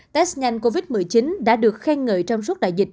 test nhanh covid một mươi chín đã được khen ngợi trong suốt đại dịch